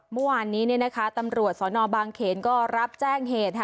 เมื่อวานนี้เนี่ยนะคะตำรวจสนบางเขนก็รับแจ้งเหตุค่ะ